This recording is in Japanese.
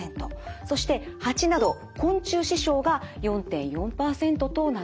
そして蜂など昆虫刺傷が４．４％となっています。